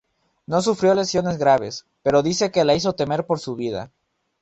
No sufrió lesiones graves, pero dice que la hizo temer por su vida.